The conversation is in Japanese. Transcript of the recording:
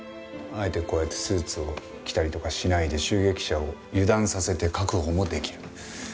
あえてこうやってスーツを着たりとかしないで襲撃者を油断させて確保もできる。